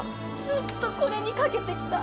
ずっとこれにかけてきた。